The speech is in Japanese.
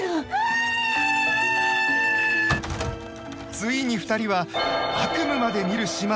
ついに２人は悪夢まで見る始末。